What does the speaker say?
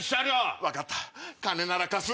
分かった金なら貸す！